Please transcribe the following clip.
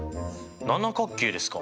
七角形ですか？